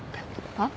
はっ？